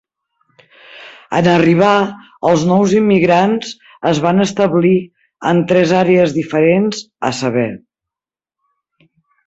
En arribar, els nous immigrants es van establir en tres àrees diferents, a saber.